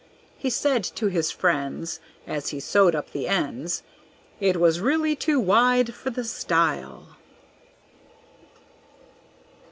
He said to his friends, As he sewed up the ends, "It was really too wide for the style."